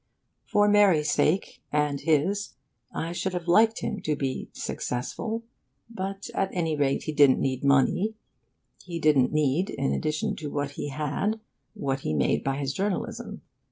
For Mary's sake, and his, I should have liked him to be 'successful.' But at any rate he didn't need money. He didn't need, in addition to what he had, what he made by his journalism.